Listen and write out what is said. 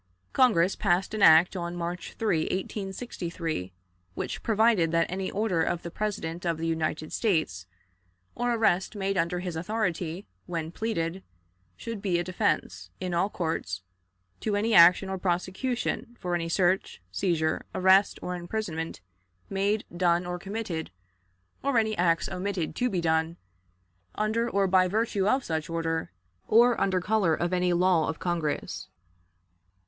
Congress passed an act on March 3, 1863, which provided that any order of the President of the United States, or arrest made under his authority, when pleaded, should be a defense, in all courts, to any action or prosecution for any search, seizure, arrest, or imprisonment made, done, or committed, or any acts omitted to be done, under or by virtue of such order, or under color of any law of Congress.